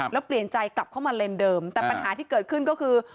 แล้วเปลี่ยนใจกลับเข้ามาเลนเดิมแต่ปัญหาที่เกิดขึ้นก็คือ